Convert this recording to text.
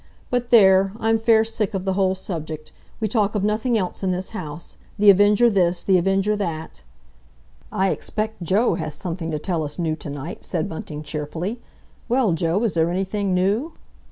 But there, I'm fair sick of the whole subject! We talk of nothing else in this house. The Avenger this—The Avenger that—" "I expect Joe has something to tell us new to night," said Bunting cheerfully. "Well, Joe, is there anything new?"